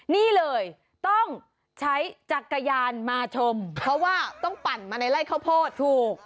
นี่เลยต้องใช้จักรยานมาชมเพราะว่าต้องปั่นมาในไล่ข้าวโพดถูก